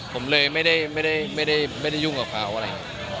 ผมเลยไม่ได้ไม่ได้ไม่ได้ไม่ได้ยุ่งกับเขาอะไร